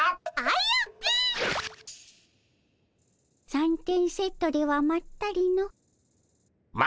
三点セットではまったりの。